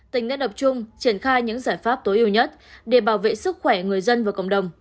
tỉnh đã tập trung triển khai những giải pháp tối ưu nhất để bảo vệ sức khỏe người dân và cộng đồng